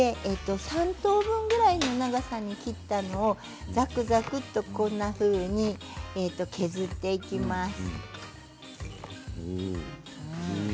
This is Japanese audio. ３等分ぐらいの長さに切ったのをザクザクと削っていきます。